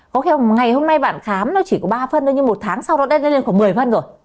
có khi ngày hôm nay bạn khám nó chỉ có ba phân thôi nhưng một tháng sau đó đét lên khoảng một mươi phân rồi